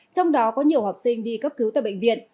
trong đó có nhiều học sinh đi cấp cứu tại bệnh viện